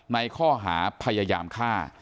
ในข้อหาพยายามฆ่า